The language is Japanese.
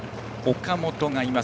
岡本がいます。